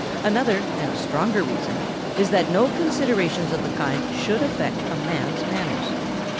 Another and stronger reason is that no considerations of the kind should affect a man's manners.